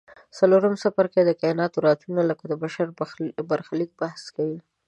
څلورم څپرکی د کایناتو رازونه لکه د بشر برخلیک بحث کوي.